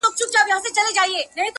زموږ پر تندي به وي تیارې لیکلي!